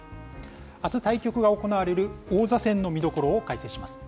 あす、対局が行われる王座戦の見どころを解説します。